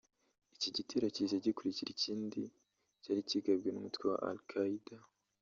Iki gitero kije gikurikira ikindi cyari kigambwe n’umutwe wa Al-Qaida